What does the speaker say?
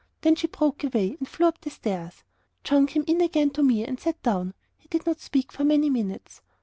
Then she broke away, and flew up stairs. John came in again to me, and sat down. He did not speak for many minutes.